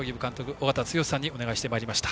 尾方剛さんにお願いしてまいりました。